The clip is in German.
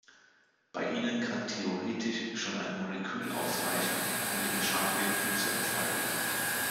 Bei ihnen kann theoretisch schon ein Molekül ausreichen, um ihre Schadwirkung zu entfalten.